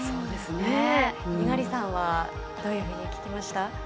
猪狩さんはどういうふうに聞きました？